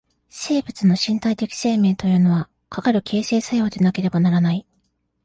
生物の身体的生命というのは、かかる形成作用でなければならない。